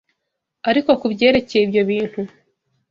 Ariko ku byerekeye ibyo bintu